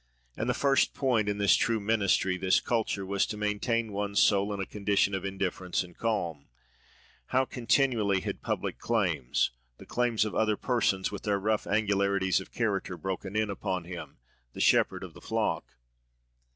And the first point in this true ministry, this culture, was to maintain one's soul in a condition of indifference and calm. How continually had public claims, the claims of other persons, with their rough angularities of character, broken in upon him, the shepherd of the flock.